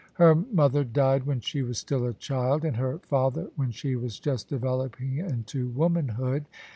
Her mother died when she was still a child: and her father when she was just developing into womanhood.